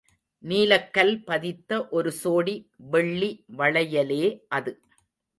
நீலக்கல் பதித்த ஒரு சோடி வெள்ளி வளையலே அது.